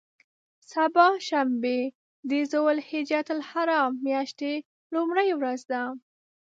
سبا شنبه د ذوالحجة الحرام میاشتې لومړۍ ورځ ده.